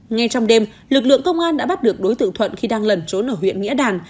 ngay trong đêm lực lượng công an đã bắt được đối tượng thuận khi đang lẩn trốn ở huyện nghĩa đàn